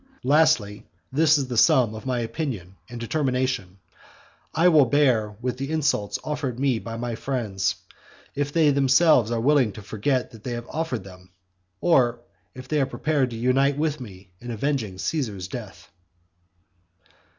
"Lastly, this is the sum of my opinion and determination; I will bear with the insults offered me by my friends, if they themselves are willing to forget that they have offered them; or if they are prepared to unite with me in avenging Caesar's death."